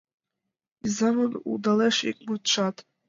Изамын улдалеш ик мутшат.